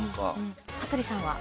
羽鳥さんは？